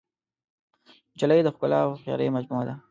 نجلۍ د ښکلا او هوښیارۍ مجموعه ده.